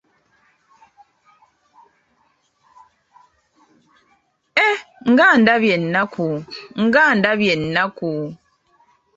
Eeh nga ndabye ennaku, nga ndabye ennaku.